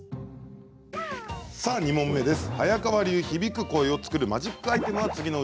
２問目です。